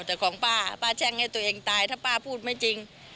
แต่ของป้าป้าแช่งให้ตัวเองตายถ้าป้าพูดไม่จริง